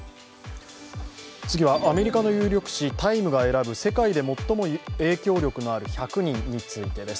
アメリカの有力紙「タイム」が選ぶ、世界で最も影響力のある１００人についてです。